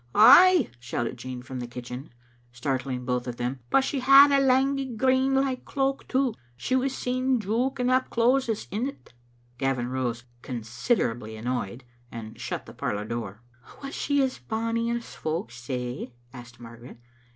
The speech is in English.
" "Ay," shouted Jean from the kitchen, startling both of them ;" but she had a lang grey like cloak too. She was seen jouking up closes in't." Gavin rose, considerably annoyed, and shut the par lour door. "Was she as bonny as folks say?" asked Mar garet.